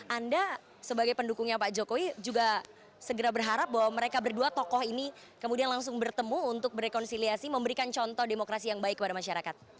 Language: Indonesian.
anda sebagai pendukungnya pak jokowi juga segera berharap bahwa mereka berdua tokoh ini kemudian langsung bertemu untuk berkonsiliasi memberikan contoh demokrasi yang baik kepada masyarakat